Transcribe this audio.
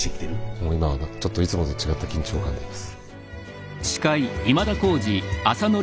もう今はちょっといつもと違った緊張感でいます。